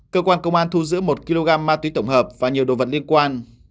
cơ quan công an thu giữ một kg ma túy tổng hợp và nhiều đồ vật liên quan